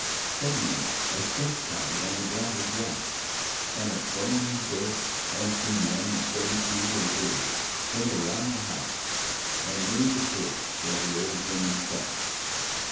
Suddenly a step sounded on the graveled walk, and a firmly built, handsome man of thirty two or three came around the house and neared the porch where the old women sat.